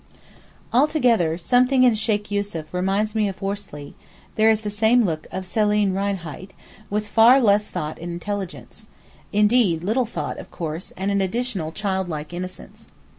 Altogether, something in Sheykh Yussuf reminds me of Worsley: there is the same look of Seelen reinheit, with far less thought and intelligence; indeed little thought, of course, and an additional childlike innocence.